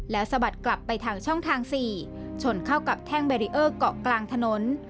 แล้วสะบัดกลับไปทางช่องทาง๔ชนเข้ากับแท่งเบรีเออร์เกาะกลางถนน